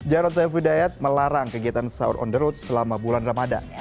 jarod sayfudayat melarang kegiatan sahur on the road selama bulan ramadhan